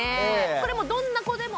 これもうどんな子でも。